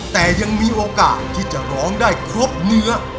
แต่ยังมีโอกาสที่จะร้องได้ครบเนื้อ